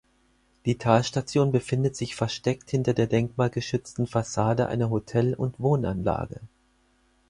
Die Talstation befindet sich versteckt hinter der denkmalgeschützten Fassade einer Hotel- und Wohnanlage.